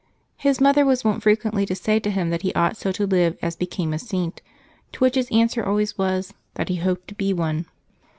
His mother was wont frequently to say to him that he ought so to live as became a Saint, to which his answer always was, that he hoped to be one.